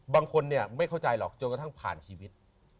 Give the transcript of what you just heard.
บางคนเนี่ยไม่เข้าใจหรอกจนกระทั่งผ่านชีวิต